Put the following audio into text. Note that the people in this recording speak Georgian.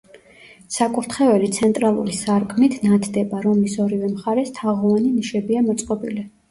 საკურთხეველი ცენტრალური სარკმლით ნათდება, რომლის ორივე მხარეს თაღოვანი ნიშებია მოწყობილი.